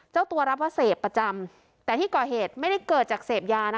เจ้าตัวรับว่าเสพประจำแต่ที่ก่อเหตุไม่ได้เกิดจากเสพยานะคะ